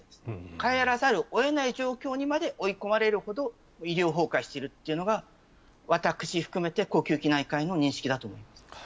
帰らざるを得ない状況にまで追い込まれるほど医療崩壊しているというのが私含めて、呼吸器内科医の認識だと思います。